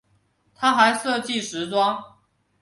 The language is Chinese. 她还设计时装。